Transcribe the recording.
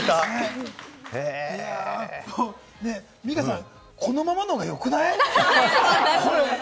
ミカさん、このままの方がよくない？